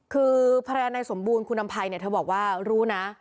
คือภรรยานายสมบูรณ์คุณอำภัยเนี่ยเธอบอกว่ารู้นะ